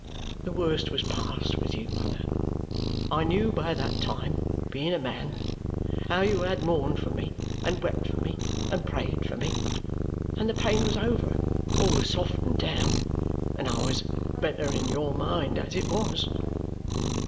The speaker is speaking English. The worst was past with you, mother. I knew by that time (being a man) how you had mourned for me, and wept for me, and prayed for me; and the pain was over, or was softened down, and I was better in your mind as it was."